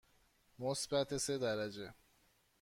مثبت سه درجه.